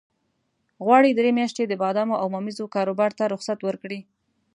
غواړي درې میاشتې د بادامو او ممیزو کاروبار ته رخصت ورکړي.